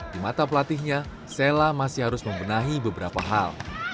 di mata pelatihnya sella masih harus membenahi beberapa hal